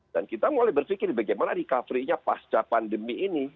dan kita mulai berpikir bagaimana recovery nya pasca pandemi ini